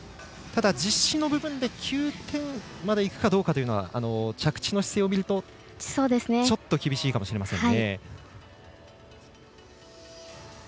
ただ、実施の部分で９点までいくかどうかというのは着地の姿勢を見るとちょっと厳しいかもしれません。